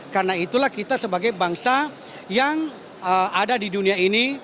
karena itulah kita sebagai bangsa yang ada di dunia ini